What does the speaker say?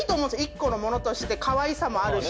１個のものとしてかわいさもあるし。